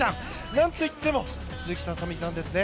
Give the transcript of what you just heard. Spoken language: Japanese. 何といっても鈴木聡美さんですね。